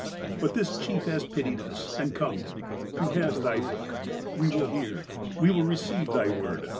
But this chief has pitied us, and come. He has Thy Book. We will hear. We will receive Thy Word.